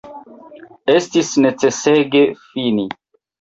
Estis necesege fini.